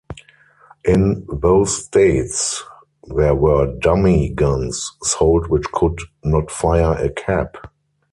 In those states, there were "dummy" guns sold which could not fire a cap.